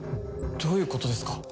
どういうことですか？